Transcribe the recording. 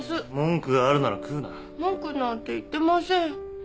文句なんて言ってません。